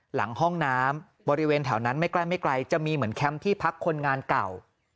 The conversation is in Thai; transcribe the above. หลังห้องน้ำบริเวณแถวนั้นไม่ใกล้ไม่ไกลจะมีเหมือนแคมป์ที่พักคนงานเก่า